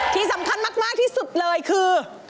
ที่สำคัญมากที่สุดเลยคือ